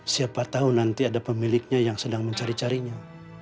siapa tahu nanti ada pemiliknya yang sedang mencari carinya